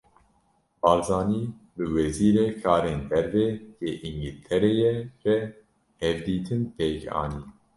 Barzanî, bi Wezîrê Karên Derve yê Îngîltereyê re hevdîtin pêk anî